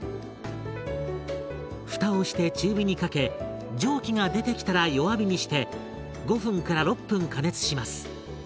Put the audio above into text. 蓋をして中火にかけ蒸気が出てきたら弱火にして５分６分加熱します。